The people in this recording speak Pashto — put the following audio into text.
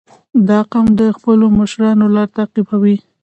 • دا قوم د خپلو مشرانو لار تعقیبوي.